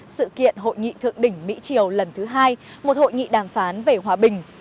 sự kiện hội nghị thượng đình mỹ chiều lần thứ hai một hội nghị đàm phán về hòa bình